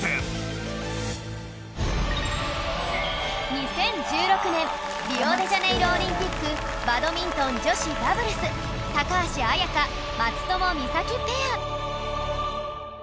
２０１６年リオデジャネイロオリンピックバドミントン女子ダブルス橋礼華松友美佐紀ペア